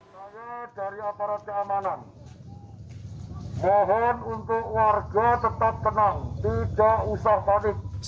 saya dari aparat keamanan mohon untuk warga tetap tenang tidak usah panik